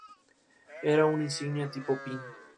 Era una insignia tipo "pin".